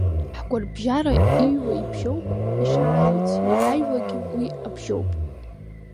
Ҳгәарабжьара иҩуа ибжьоуп, ишааҩыц иааҩуагь уи абжьоуп.